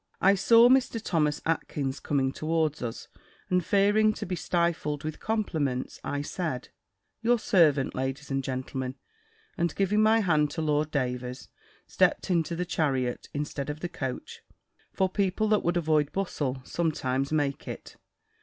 I saw Sir Thomas Atkyns coming towards us, and fearing to be stifled with compliments, I said "Your servant, ladies and gentlemen;" and giving my hand to Lord Davers, stept into the chariot, instead of the coach; for people that would avoid bustle, sometimes make it.